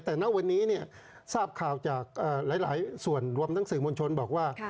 แต่ณวันนี้ทราบข่าวจากหลายส่วนรวมทั้งสื่อมวลชนบอกว่า